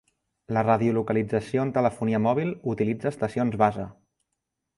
La radiolocalització en telefonia mòbil utilitza estacions base.